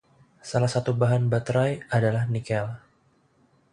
Salah satu bahan baterai adalah nikel.